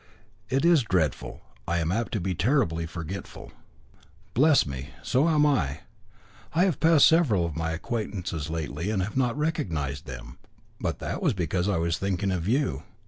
"It is dreadful. I am apt to be terribly forgetful." "Bless me! So am I. I have passed several of my acquaintances lately and have not recognised them, but that was because I was thinking of you.